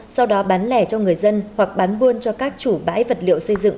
sau đó bán lẻ cho người dân hoặc bán buôn cho các chủ bãi vật liệu xây dựng